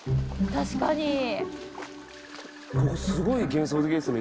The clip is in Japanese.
ここすごい幻想的ですね